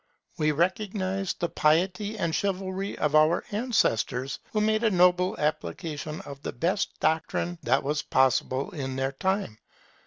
We recognize the piety and chivalry of our ancestors, who made a noble application of the best doctrine that was possible in their time.